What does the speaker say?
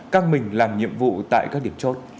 các mình làm nhiệm vụ tại các điểm chốt